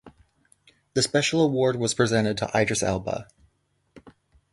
The Special Award was presented to Idris Elba.